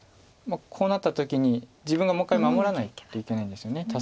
こうなった時に自分がもう一回守らないといけないんですよね